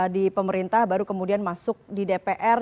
di pemerintah baru kemudian masuk di dpr